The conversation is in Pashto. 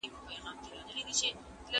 د زلفو بڼ كي د دنيا خاوند دی